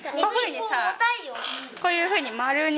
こういうふうにさ